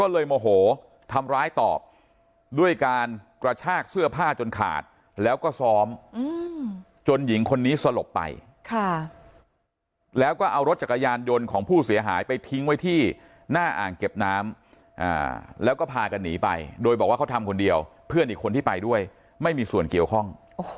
โมโหทำร้ายตอบด้วยการกระชากเสื้อผ้าจนขาดแล้วก็ซ้อมจนหญิงคนนี้สลบไปแล้วก็เอารถจักรยานยนต์ของผู้เสียหายไปทิ้งไว้ที่หน้าอ่างเก็บน้ำแล้วก็พากันหนีไปโดยบอกว่าเขาทำคนเดียวเพื่อนอีกคนที่ไปด้วยไม่มีส่วนเกี่ยวข้อง